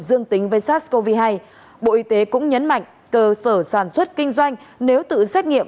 dương tính với sars cov hai bộ y tế cũng nhấn mạnh cơ sở sản xuất kinh doanh nếu tự xét nghiệm